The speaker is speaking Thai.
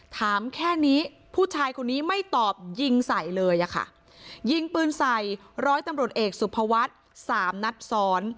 ถามแค่นี้ผู้ชายคนนี้ไม่ตอบยิงใส่เลยอะค่ะยิงปืนใส่ร้อยตำรวจเอกสุภวัฒน์สามนัดซ้อน